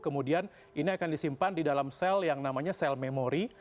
kemudian ini akan disimpan di dalam sel yang namanya sel memori